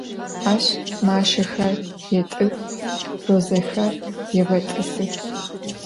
Aş maşşexer yêt'ıx, rozexer yêğet'ısıx.